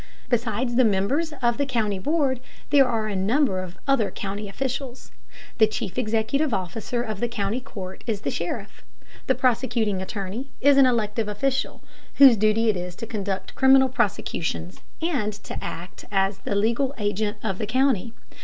Besides the members of the county board there are a number of other county officials. The chief executive officer of the county court is the sheriff. The prosecuting attorney is an elective official, whose duty it is to conduct criminal prosecutions, and to act as the legal agent of the county.